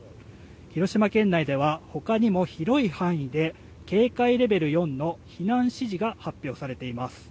広島県内ではほかにも広い範囲で警戒レベル４の避難指示が発表されています。